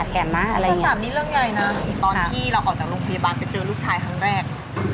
ตอนที่เราออกจากโรงพยาบาลไปเจอลูกชายครั้งแรก